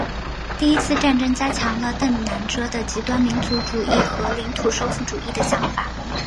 第一次战争加强了邓南遮的极端民族主义和领土收复主义的想法。